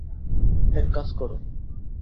এক কাজ করো।